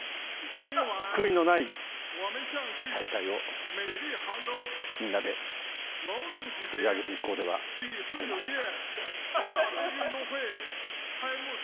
悔いのない大会をみんなで作り上げていこうではありませんか。